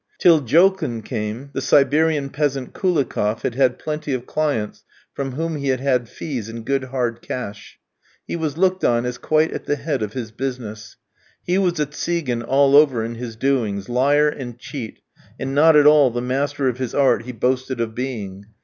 Till Jolkin came, the Siberian peasant Koulikoff had had plenty of clients from whom he had had fees in good hard cash. He was looked on as quite at the head of his business. He was a Tsigan all over in his doings, liar and cheat, and not at all the master of his art he boasted of being.